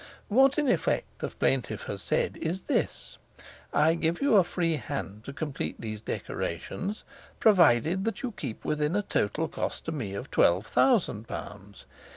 "What in effect the plaintiff has said is this 'I give you a free hand to complete these decorations, provided that you keep within a total cost to me of twelve thousand pounds.